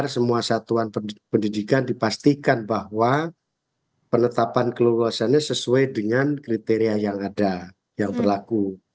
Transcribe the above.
saya datang ke ya kerabat